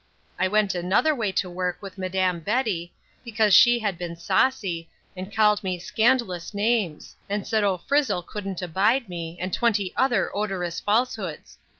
I went another way to work with madam Betty, because she had been saucy, and called me skandelus names; and said O Frizzle couldn't abide me, and twenty other odorous falsehoods.